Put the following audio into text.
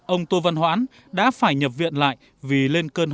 ông tô văn hoãn đã phải nhập viện